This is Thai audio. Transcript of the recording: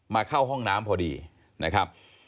เข้าห้องน้ำพอดีนะครับ